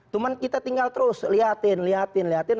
cuma kita tinggal terus lihatin lihatin lihatin